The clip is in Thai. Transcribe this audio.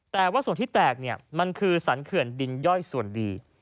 แต่ว่าส่วนที่แตกเนี่ยมันคือสรรเขื่อนดินย่อยส่วนดี